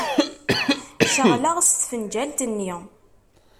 Ceɣleɣ s tfenǧalt-nni.